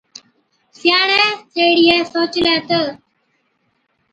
سِياڻي سيهڙِيئَي سوچلَي تہ،